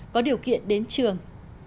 có điều kiện đến trường